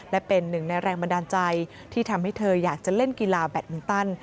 และเป็นหนึ่งในแรงบันดาลใจที่ทำให้เธออยากจะเล่นกีฬาแบตมินตัน